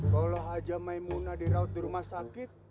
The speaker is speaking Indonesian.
kalau haja maimuna dirawat di rumah sakit